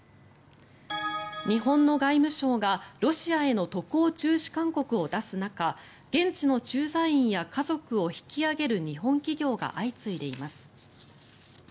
日本の外務省がロシアへの渡航中止勧告を出す中現地の駐在員や家族を引き揚げる日本企業が相次いでいます。